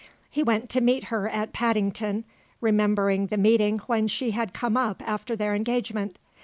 He went to meet her at Paddington, remembering the meeting when she had come up after their engagement.